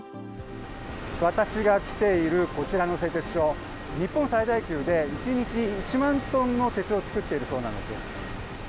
私が来ているこちらの製鉄所、日本最大級で、１日１万トンの鉄を作っているそうなんです。